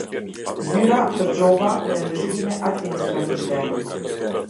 Zyra për Gjoba dhe Ndëshkime Administrative.